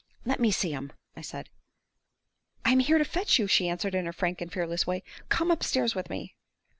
"Let me see him!" I said. "I am here to fetch you," she answered, in her frank and fearless way. "Come upstairs with me."